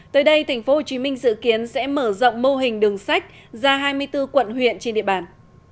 tới đây tp hcm dự kiến sẽ mở rộng mô hình đường sách ra hai mươi bốn quận huyện trên địa bàn